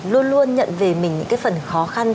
luôn luôn nhận về mình những cái phần khó khăn